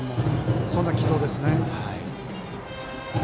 そんな軌道ですね。